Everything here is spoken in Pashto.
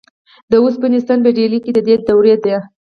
د اوسپنې ستن په ډیلي کې د دې دورې ده.